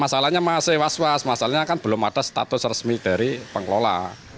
masalahnya masih was was masalahnya kan belum ada status resmi dari pengelola